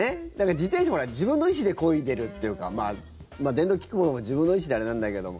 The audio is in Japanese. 自転車は自分の意思でこいでるというかまあ、電動キックボードも自分の意思であれなんだけども。